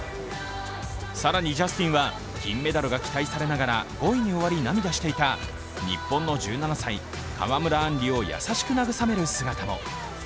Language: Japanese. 更にジャスティンは金メダルが期待されながら５位に終わり涙していた日本の１７歳、川村あんりを優しく慰める姿も。